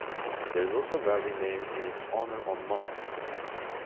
There is also a valley named in its honor on Mars.